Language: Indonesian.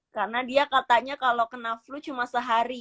karena dia katanya kalau kena flu cuma sehari